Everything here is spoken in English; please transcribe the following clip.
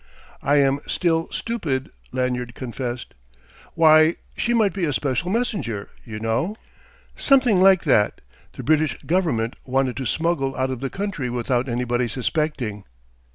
"I am still stupid," Lanyard confessed. "Why, she might be a special messenger, you know something like that the British Government wanted to smuggle out of the country without anybody suspecting."